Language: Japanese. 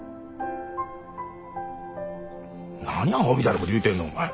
何アホみたいなこと言うてんのお前。